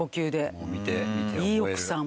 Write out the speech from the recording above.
いい奥さん。